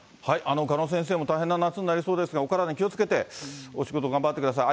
鹿野先生も大変な夏になりそうですが、お体に気をつけてお仕事頑張ってください。